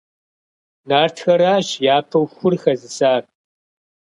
Нартхэращ япэу хур хэзысар.